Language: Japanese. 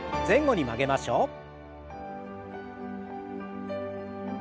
前後に曲げましょう。